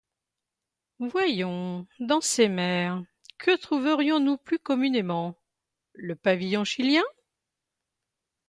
Voyons... dans ces mers... que trouverions-nous plus communément?... le pavillon chilien ?